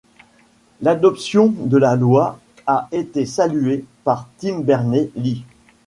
L'adoption de la loi a été saluée par Tim Berners Lee.